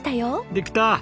できた！